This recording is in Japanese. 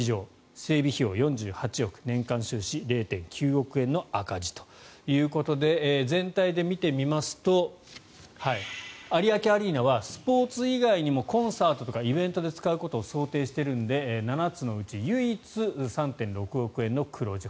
０．９億円の赤字ということで全体で見てみますと有明アリーナはスポーツ以外にもコンサートとかイベントで使うことを想定しているので７つのうち唯一３．６億円の黒字。